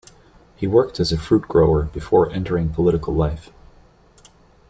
He worked as a fruit grower before entering political life.